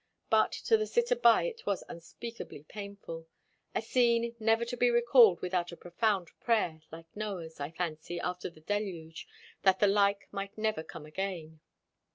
But to the sitter by it was unspeakably painful; a scene never to be recalled without a profound prayer, like Noah's, I fancy, after the deluge, that the like might never come again.